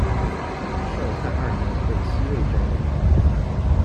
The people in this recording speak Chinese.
绍泰二年被西魏占领。